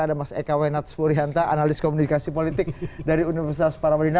ada mas eka wenats purihanta analis komunikasi politik dari universitas paramadina